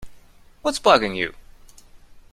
What’s bugging you?